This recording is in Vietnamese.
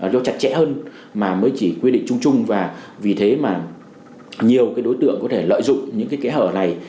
do chặt chẽ hơn mà mới chỉ quy định chung chung và vì thế mà nhiều đối tượng có thể lợi dụng những cái hở này